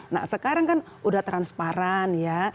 nah sekarang kan udah transparan ya